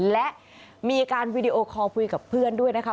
และมีการวีดีโอคอลคุยกับเพื่อนด้วยนะคะ